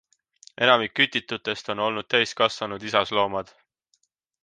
Enamik kütitutest on olnud täiskasvanud isasloomad.